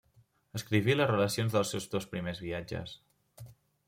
Escriví les relacions dels seus dos primers viatges.